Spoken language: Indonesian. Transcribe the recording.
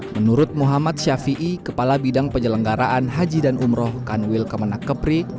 menurut muhammad syafi'i kepala bidang penyelenggaraan haji dan umroh kanwil kemenak kepri